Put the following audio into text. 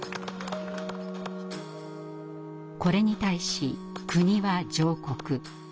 これに対し国は上告。